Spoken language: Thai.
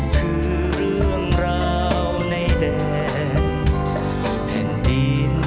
คือเรื่องราวในแดนแผ่นดิน